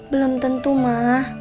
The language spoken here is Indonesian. belum tentu ma